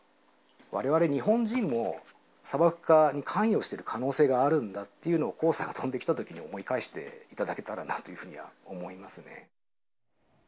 われわれ日本人も、砂漠化に関与している可能性があるんだっていうのを、黄砂が飛んできたときに、思い返していただけたらなというふうには思いますね。